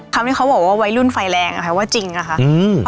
คำที่เขาบอกว่าไว้รุ่นไฟแรงแพทย์ว่าจริงอ่ะค่ะ